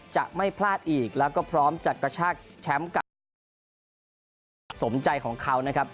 จะไม่พลาดอีกแล้วก็พร้อมจะกระชากแชมป์กับทีมชาติสมใจของเขานะครับ